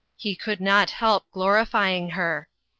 He could not help glorifying her.